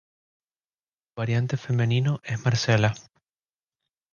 Su variante femenino es Marcela.